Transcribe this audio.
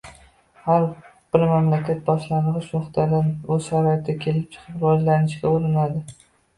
har bir mamlakat boshlang‘ich nuqtada o‘z sharoitidan kelib chiqib rivojlanishga urinadi.